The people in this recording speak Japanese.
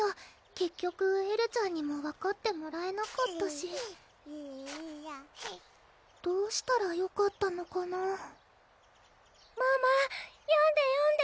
結局エルちゃんにも分かってもらえなかったしどうしたらよかったのかなママ読んで読んで！